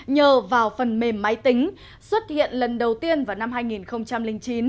nhờ vào phần mềm máy tính xuất hiện lần đầu tiên vào năm hai nghìn chín